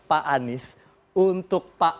pak anies untuk pak